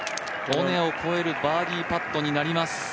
尾根を越えるバーディーパットになります。